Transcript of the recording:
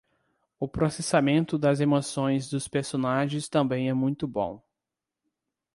O processamento das emoções dos personagens também é muito bom